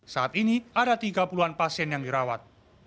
saat ini ada tiga puluh an pasien yang dirawat